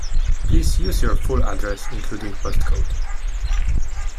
Please use your full address, including postcode